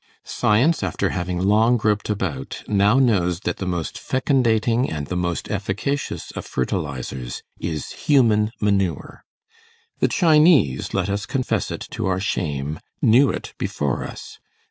Science, after having long groped about, now knows that the most fecundating and the most efficacious of fertilizers is human manure. The Chinese, let us confess it to our shame, knew it before us.